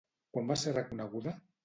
Quan va ser reconeguda?